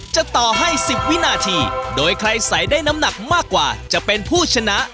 จะต่อให้๑๐วินาทีโดยใครใส่ได้น้ำหนักมากกว่าจะเป็นผู้ชนะ